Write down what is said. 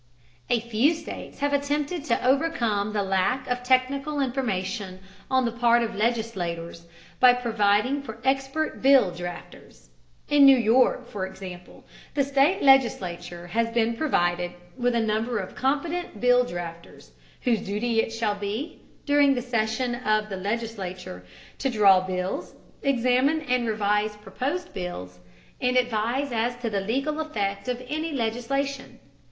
A few states have attempted to overcome the lack of technical information on the part of legislators by providing for expert bill drafters. In New York, for example, the state legislature has been provided with a number of competent bill drafters whose duty it shall be, during the session of the legislature, to draw bills, examine and revise proposed bills, and advise as to the legal effect of any legislation.